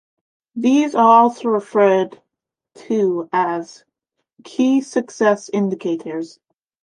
These are also referred to as "key success indicators".